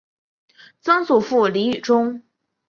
曾祖父李允中。